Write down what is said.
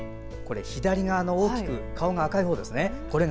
左側の大きく顔が赤いほうですね。